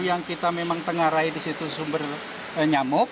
yang kita memang tengah raih di situ sumber nyamuk